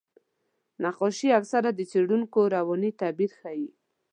نقاشي اکثره د څېړونکو رواني تعبیر ښيي.